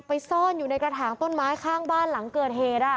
ซ่อนอยู่ในกระถางต้นไม้ข้างบ้านหลังเกิดเหตุ